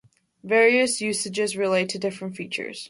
Various usages relate to different features.